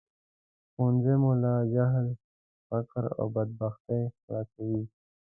ښوونځی مو له جهل، فقر او بدبختۍ خلاصوي